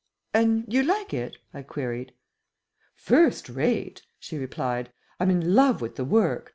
And you like it?" I queried. "First rate," she replied. "I'm in love with the work.